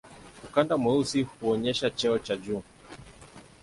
Ukanda mweusi huonyesha cheo cha juu.